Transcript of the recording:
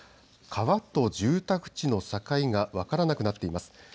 川と住宅地の境が分からなくなっています。